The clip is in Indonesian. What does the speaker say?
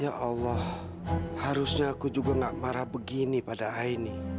ya allah harusnya aku juga gak marah begini pada aini